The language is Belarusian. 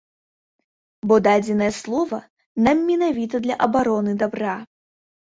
Бо дадзенае слова нам менавіта для абароны дабра.